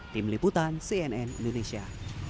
tim liputan cnn indonesia